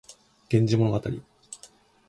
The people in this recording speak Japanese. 源氏物語